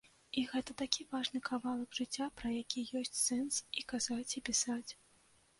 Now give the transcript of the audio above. І гэта такі важны кавалак жыцця, пра які ёсць сэнс і казаць, і пісаць.